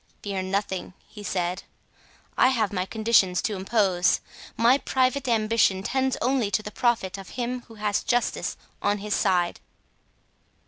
"Fear nothing," he said; "I have my conditions to impose. My private ambition tends only to the profit of him who has justice on his side."